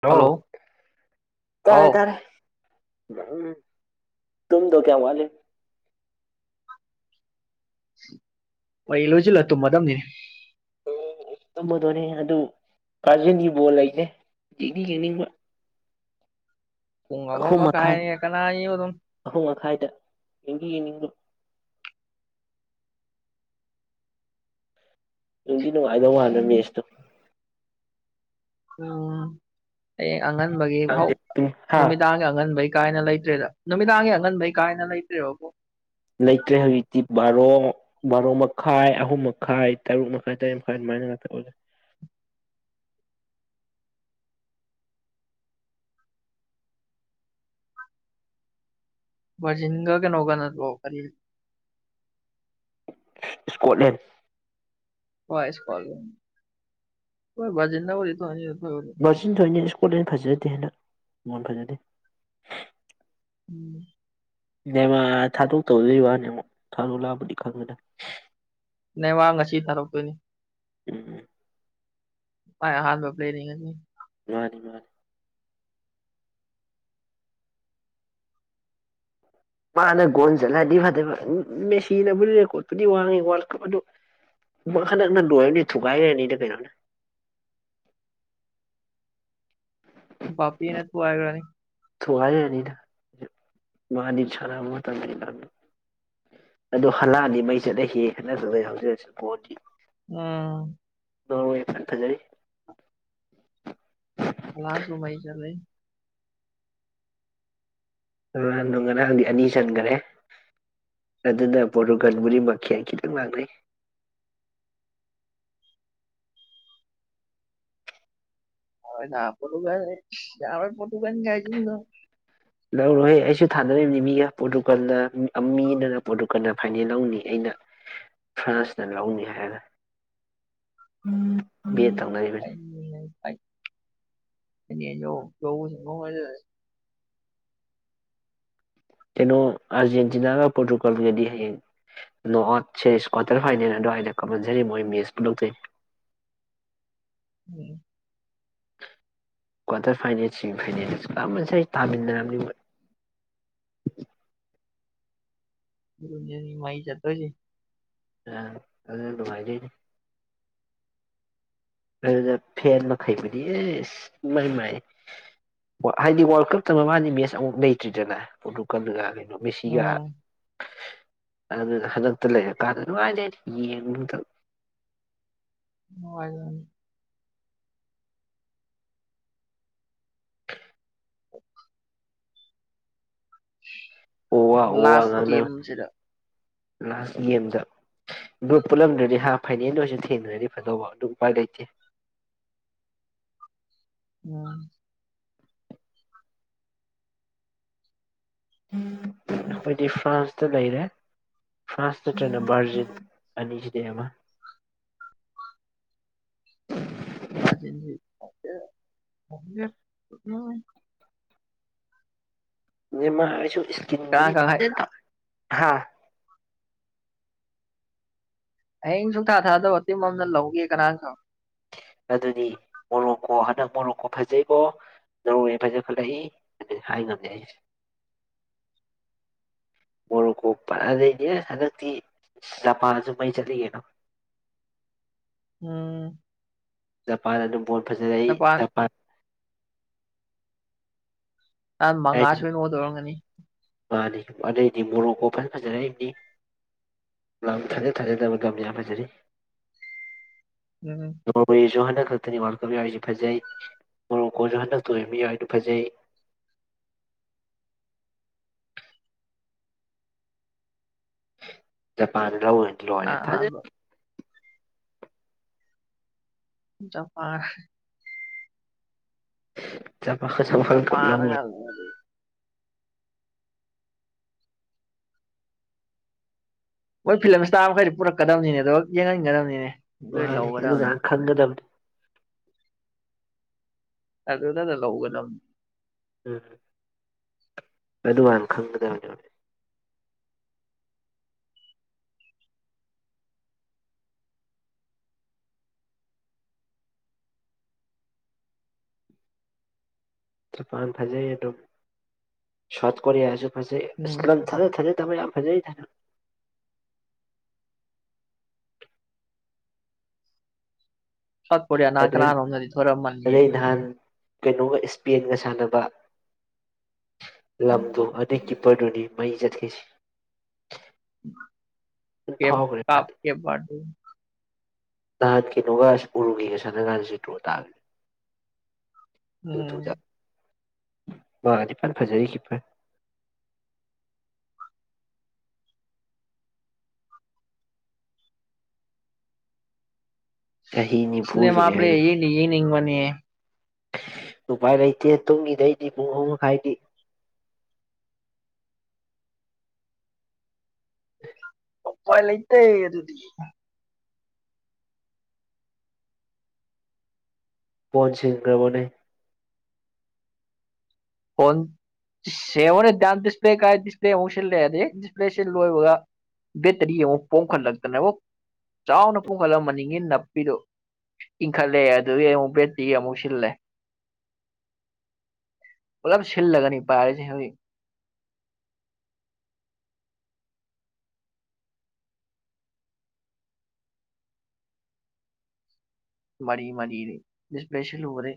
hello hello ꯇꯔꯦ ꯑꯥꯎ ꯇꯥꯔꯦ ꯇꯨꯨꯝꯗꯣ ꯀꯌꯥ ꯋꯥꯠꯂꯤ ꯑꯩ ꯂꯣꯏꯁꯤꯜꯂ ꯇꯨꯝ ꯃꯗꯝꯅꯤ ꯇꯨꯝꯝꯕꯗꯣꯅꯦ ꯑꯗꯨ ꯕꯔꯥꯖꯤꯟꯒꯤ ꯕꯣꯜ ꯂꯩꯌꯦ ꯌꯦꯡꯗꯤ ꯌꯦꯡꯅꯤꯡꯕ ꯄꯨꯡ ꯑꯃ ꯑꯍꯨꯝ ꯃꯈꯥꯏ ꯃꯈꯥꯏꯅꯦ ꯀꯅꯥꯅꯤꯕ ꯑꯗꯨꯝ ꯑꯍꯨꯝ ꯃꯈꯥꯏꯗ ꯌꯦꯡꯗꯤ ꯌꯦꯡꯅꯤꯡꯕ ꯅꯨꯡꯗꯤ ꯅꯨꯡꯉꯥꯏꯗꯧ ꯃꯥꯜꯂ ꯃꯦꯁꯇꯣ ꯎꯝ ꯑꯉꯟꯕꯒꯤ ꯍꯧ ꯈꯪꯗꯦ ꯑꯗꯨꯝ ꯍꯥ ꯅꯨꯃꯤꯗꯥꯡꯒꯤ ꯑꯉꯟꯕꯒꯤ ꯀꯥꯏꯅ ꯂꯩꯇ꯭ꯔꯦꯗ ꯅꯨꯃꯤꯗꯥꯡꯒꯤ ꯑꯉꯟꯕꯩ ꯀꯥꯏꯅ ꯂꯩꯇ꯭ꯔꯦꯕꯕꯣ ꯂꯩꯇ꯭ꯔꯦ ꯍꯧꯖꯤꯛꯇꯤ ꯕꯥꯔꯣ ꯕꯥꯔꯣ ꯃꯈꯥꯏ ꯑꯍꯨꯝ ꯃꯈꯥꯏ ꯇꯔꯨꯛ ꯃꯈꯥꯏ ꯇꯔꯦꯠ ꯃꯈꯥꯏ ꯑꯗꯨꯃꯥꯏꯅ ꯉꯥꯛꯇ ꯕꯔꯥꯖꯤꯜꯒꯥ ꯀꯩꯅꯣꯒ ꯅꯠꯇꯔꯣ ꯀꯔꯤ ꯏꯁꯀꯣꯠꯂꯦꯟ ꯍꯣꯏ ꯏꯁꯀꯣꯠꯂꯦꯟ ꯕꯔꯥꯖꯤꯜ ꯅ ꯕꯨꯗꯤ ꯊꯣꯏꯅꯤꯗꯥ ꯕꯔꯥꯖꯤꯜ ꯊꯣꯏꯅꯤ ꯐꯖꯗꯦ ꯍꯟꯗꯛ ꯕꯣꯜ ꯐꯖꯗꯦ ꯎꯝ ꯅꯦꯃꯥꯔ ꯊꯥꯗꯣꯛ ꯇꯧꯗꯣꯏ ꯋꯥꯅꯦ ꯊꯥꯗꯣꯛ ꯂꯥꯛꯑꯕꯗꯤ ꯈꯪꯒꯗꯧꯅꯦ ꯅꯦꯃꯥꯔꯉꯁꯤ ꯊꯥꯔꯛꯇꯣꯏꯅꯤ ꯎꯝ ꯃꯥꯏ ꯑꯍꯥꯟꯕ ꯄ꯭ꯂꯦ ꯅꯦ ꯉꯁꯤ ꯃꯥꯅꯤ ꯃꯥꯅꯤ ꯃꯥꯅ ꯒꯣꯜ ꯆꯠꯂꯗꯤ ꯐꯗꯦꯕ ꯃꯦꯁꯤꯅꯕꯨ ꯔꯦꯀꯣꯔꯠꯄꯨꯗꯤ ꯋꯥꯡꯉꯤ ꯋꯥꯔꯜ ꯀꯞ ꯑꯗꯨ ꯍꯟꯗꯛꯅ ꯂꯣꯏꯔꯗꯤ ꯊꯨꯒꯥꯏꯈ꯭ꯔꯅꯤꯅ ꯀꯩꯅꯣꯅ ꯕꯥꯄꯦꯅ ꯊꯨꯒꯥꯏꯈꯔꯅꯤ ꯊꯨꯒꯥꯏꯔꯔꯅꯤꯅ ꯃꯥꯅꯤ ꯁꯥꯟꯅꯕ ꯃꯇꯝꯗ ꯑꯗꯣ ꯍꯥꯂꯥꯜ ꯗꯤ ꯃꯩ ꯆꯠꯂ ꯍꯦ ꯍꯥꯏꯅ ꯆꯠꯂ ꯍꯧꯖꯤꯛꯁꯤ ꯕꯣꯜꯗꯤ ꯎꯝ [unintelligible] ꯍꯂꯜꯁꯨ ꯃꯩ ꯆꯠꯂꯤ ꯑ ꯅꯣꯡ ꯉꯔꯥꯡꯗꯤ ꯑꯅꯤ ꯆꯟꯈꯔꯦ ꯑꯗꯨꯅ ꯄꯣꯇꯨꯒꯜꯕꯨꯗꯤ ꯃꯈꯦꯟ ꯈꯤꯇꯪ ꯂꯥꯡꯅꯩ ꯄꯣꯇꯨꯒꯜꯒ ꯌꯥꯔꯣꯏ ꯄꯣꯇꯨꯒꯜꯒ ꯍꯥꯏꯖꯤꯟꯗꯅ ꯂꯧꯔꯣꯍꯦ ꯑꯩꯁꯨ ꯊꯥꯅꯔꯤꯕꯅꯤ ꯃꯤꯒ ꯄꯣꯔꯇꯨꯒꯜꯗ ꯃꯤꯅꯅ ꯄꯣꯔꯇꯨꯒꯜꯗ ꯐꯥꯏꯅꯦꯜ ꯂꯧꯅꯤ ꯑꯩꯅ ꯐ꯭ꯔꯥꯟꯁꯅ ꯂꯧꯅꯤ ꯍꯥꯏꯔ ꯑꯩ [unintelligible] ꯀꯅꯣ ꯑꯥꯔꯖꯦꯟꯇꯤꯅꯥꯒ ꯄꯣꯔꯇꯨꯒꯜꯒꯗꯤ ꯍꯌꯦꯡ ꯅꯣꯑꯠ ꯁꯦꯁ ꯀ꯭ꯋꯥꯇꯔ ꯐꯥꯏꯅꯦꯜ ꯑꯗꯨꯋꯥꯏꯗ ꯀꯥꯞꯄꯟꯁꯔꯤ ꯃꯣꯏ ꯃꯦꯁ ꯄꯨꯟꯂꯛꯇꯣꯏꯅꯤ ꯎꯝ ꯀ꯭ꯋꯥꯔꯇꯔ ꯐꯥꯏꯅꯦꯜꯁꯤꯡ ꯐꯥꯏꯅꯦꯁ ꯀꯥꯁ ꯊꯥꯃꯤꯟꯅꯔꯅꯤ ꯃꯩ ꯆꯠꯇꯣꯏꯁꯦ ꯑ ꯑꯗꯨ ꯅꯨꯡꯉꯥꯏꯖꯩꯅꯤ ꯑꯗꯨꯗ ꯐꯦꯟ ꯃꯈꯩꯕꯨꯗꯤ ꯑꯦ ꯃꯥꯏ ꯃꯥꯏ ꯍꯥꯏꯗꯤ ꯋꯥꯔꯜ ꯀꯞꯇ ꯃꯃꯒꯤ ꯃꯦꯠꯆ ꯑꯃꯨꯛ ꯂꯩꯇ꯭ꯔꯤꯗꯅ ꯄꯣꯔꯇꯨꯒꯜꯒ ꯃꯦꯁꯤꯒ ꯎꯝ ꯑꯗꯨꯅ ꯍꯟꯗꯛ ꯂꯩꯔꯥ ꯀꯟꯗ ꯅꯨꯡꯉꯥꯏꯅꯤ ꯌꯦꯡꯕꯨ ꯇꯧꯔꯤ [inaudible] [unintelligible] ꯑꯣ ꯋꯥ ꯑꯣ ꯋꯥ ꯂꯥꯁ ꯉꯥꯡꯅꯕ ꯒꯥꯃꯦꯝ ꯁꯤ ꯂꯥꯁ ꯒꯦꯝꯗ ꯑꯗꯨ ꯄꯨꯜꯂꯝꯗ꯭ꯔꯗꯤ ꯍꯥ ꯐꯥꯏꯅꯜꯗ ꯑꯣꯏꯁꯨ ꯊꯦꯡꯅ꯭ꯔꯗꯤ ꯐꯗꯧꯕ ꯑꯗꯨ ꯎꯄꯥꯏ ꯂꯩꯇꯦ ꯎꯝ ꯑꯩꯈꯣꯏꯗꯤ ꯐ꯭ꯔꯥꯟꯁꯇ ꯂꯩꯔꯦ ꯐ꯭ꯔꯥꯟꯁ ꯅꯠꯇ꯭ꯔꯅ ꯕꯥꯔꯖꯤꯜ ꯑꯅꯤꯁꯤꯗꯩ ꯑꯃ ꯕ꯭ꯔꯥꯖꯤꯜꯁꯤ [inaudible] ꯅꯦꯃꯥꯔꯁꯨ ꯀꯅꯥ ꯏꯁꯀꯤꯟꯕꯨꯗꯤ ꯈꯪ [unintelligible] ꯍꯥꯥ ꯍꯌꯦꯡ ꯁꯨꯡꯊꯥ ꯊꯥꯖꯗꯕ ꯇꯤꯝ ꯑꯃꯅ ꯂꯧꯒꯤ ꯀꯅꯥꯅ ꯈꯪꯕ ꯑꯗꯨꯗꯤ ꯃꯣꯔꯣꯛꯀꯣ ꯍꯟꯗꯛ ꯃꯣꯔꯣꯛꯀꯣ ꯐꯖꯩꯀꯣ [unintelligible] ꯐꯖꯈꯠꯂꯛꯏ ꯑꯗꯨ ꯍꯥꯏ ꯉꯝꯅꯦ ꯑꯩꯁꯦ ꯃꯣꯔꯣꯛꯀꯣ ꯐꯖꯩꯍꯦ ꯍꯟꯗꯛꯇꯤ ꯖꯄꯥꯟꯁꯨ ꯃꯩ ꯆꯠꯂꯤ ꯀꯩꯅꯣ ꯎꯝ ꯖꯄꯥꯟꯅꯗꯨꯝ ꯕꯣꯜ ꯐꯖꯔꯛ ꯏ ꯖꯄꯥꯟ [unintelligible] ꯅꯍꯥꯟ ꯃꯉꯥ ꯁꯣꯏꯅ ꯑꯣꯗꯧꯔꯝꯒꯅꯤ ꯃꯥꯟꯅꯤ ꯑꯗꯩꯗꯤ ꯃꯣꯔꯣꯛꯀꯣ ꯐꯖ ꯐꯖꯔꯛꯏꯝꯅꯤ ꯂꯝ ꯊꯥꯖ ꯊꯥꯖꯗꯕ ꯂꯝ ꯌꯥꯝ ꯐꯖꯔꯤ ꯎꯝ [unintelligible] ꯍꯟꯗꯛ ꯈꯛꯇꯅꯤ ꯋꯥꯔꯀ ꯃꯤꯑꯣꯏꯁꯨ ꯐꯖꯩꯁꯨ ꯍꯟꯗꯛꯇꯨ ꯃꯤꯑꯣꯏꯁꯨ ꯐꯖꯩ ꯖꯄꯥꯟ ꯑꯍꯥꯟꯕ [unintelligible] ꯖꯄꯥꯟ [unintelligible] ꯖꯄꯥꯟꯅꯒ [unintelligible] ꯃꯣꯏ ꯐꯤꯂꯝ ꯁ꯭ꯇꯥꯔ ꯃꯈꯩꯗꯣ ꯄꯨꯔꯛꯀꯗꯕꯅꯤꯅꯦ ꯑꯗꯨꯒ ꯌꯦꯡꯍꯟꯒꯗꯕꯅꯤꯅꯦ ꯂꯣꯏ ꯃꯥꯟꯅꯤ ꯂꯧꯒꯗꯕꯅꯦ ꯑꯗꯨꯀꯥꯟ ꯈꯪꯒꯗꯕꯅꯤ ꯑꯗꯨꯗꯗ ꯂꯧꯒꯗꯝꯅꯤ ꯎꯝ ꯑꯗꯨ [unintelligible] ꯈꯪꯗꯅꯦ ꯖꯄꯥꯥꯟ ꯐꯖꯩ ꯑꯗꯨꯝ ꯁꯥꯎꯠ ꯀꯣꯔꯤꯌꯥꯁꯨ ꯍꯧꯖꯤꯛ ꯎꯝ ꯏꯁ [unintelligible] ꯇꯕ ꯌꯥꯝ ꯐꯖꯩꯗ ꯗꯨꯝ ꯁꯠꯄꯌꯥ ꯅꯅꯥ ꯀ ꯑꯗꯩ ꯅꯅ ꯅꯣꯟ ꯊꯔ ꯃꯥꯟꯅꯤ ꯑꯗꯩ ꯅꯍꯥꯟ ꯀꯩꯅꯣꯒ ꯏꯁꯄꯦꯟꯒ ꯁꯥꯟꯅꯕ ꯂꯝꯗꯨ ꯑꯗꯨꯏ ꯀꯤꯞꯄꯔꯗꯨꯅꯤ ꯃꯩ ꯆꯠꯂꯤꯁꯦ ꯐꯥꯎꯈ꯭ꯔꯦ ꯃꯥꯗꯤ [unintelligible] ꯅꯍꯥꯟ ꯀꯩꯅꯣꯒ ꯎꯔꯨꯒꯦꯒ ꯁꯅꯒꯥꯟꯗ ꯁꯤ ꯗ꯭ꯔꯣ ꯇꯥꯒ꯭ꯔꯦ ꯎꯝ ꯋꯥꯗꯤꯄꯥꯜ ꯐꯖꯔꯤ ꯀꯄ ꯆꯍꯤ ꯅꯤꯐꯨ ꯅꯦꯃꯥ ꯁꯨꯔꯦ ꯄꯂꯦ ꯍꯥꯏꯗꯨꯅꯤ ꯌꯦꯅꯤ ꯌꯦꯅꯤꯕꯅꯦ ꯎꯄꯥꯏ ꯂꯩꯇꯦ ꯇꯨꯡꯒꯤꯗꯩꯗꯤ ꯄꯨꯡ ꯑꯍꯨꯝ ꯃꯈꯥꯏꯗꯤ [inaudible] ꯎꯄꯥꯏ ꯂꯩꯇ ꯑꯗꯨꯗꯤ ꯄꯟꯁꯤꯀ꯭ꯔꯃꯅꯦ ꯐꯣꯟ ꯁꯦꯝꯃꯅꯦ ꯗꯤꯁꯄ꯭ꯂꯦ ꯀꯥꯏ ꯗꯤꯁꯄ꯭ꯂꯦ ꯑꯃꯨꯛ ꯁꯤꯜꯂꯛꯑꯦ ꯑꯗꯦꯛ ꯗꯤꯁꯄ꯭ꯂꯦ ꯁꯤꯜ ꯂꯣꯏꯕꯒ ꯕꯦꯇꯔꯤ ꯑꯃꯨꯛ ꯄꯣꯝꯈꯠꯂꯛꯇꯅꯦꯕ ꯆꯥꯎꯅ ꯄꯣꯝꯈꯠꯂꯝꯍꯟꯅꯤꯡꯉꯤ ꯅꯥꯞꯄꯤꯗꯨꯣ ꯏꯪꯈꯠꯂꯛꯑꯦ ꯑꯗꯨꯒꯤ ꯑꯃꯨꯛ ꯕꯦꯠꯇ꯭ꯔꯤ ꯑꯃꯨꯛ ꯁꯤꯜꯂꯦ ꯑꯣꯂ ꯁꯤꯤꯜꯂꯒꯅꯤ ꯄꯥꯔꯁꯤ ꯃꯔꯤ ꯃꯔꯤꯔꯦ ꯁꯄꯦꯁꯜ ꯑꯣꯏꯔꯦ